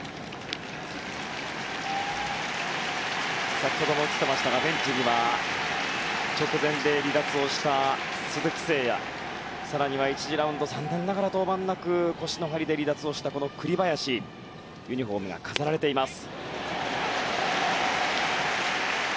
先ほども映っていましたがベンチには直前で離脱した鈴木誠也、更には１次ラウンド残念ながら登板なく腰の張りで離脱をした栗林ユニホームが飾られています。